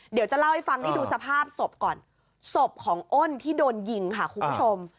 เดี๋ยวจะเล่าให้ฟังนี่ดูสภาพศพก่อนศพของอ้นที่โดนยิงค่ะคุณผู้ชม